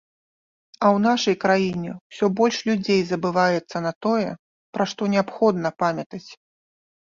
А ў нашай краіне ўсё больш людзей забываецца на тое, пра што неабходна памятаць!